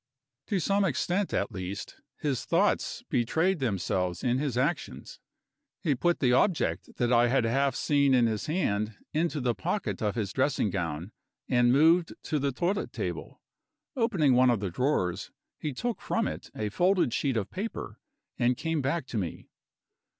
To some extent at least, his thoughts betrayed themselves in his actions. He put the object that I had half seen in his hand into the pocket of his dressing gown, and moved to the toilet table. Opening one of the drawers, he took from it a folded sheet of paper, and came back to me.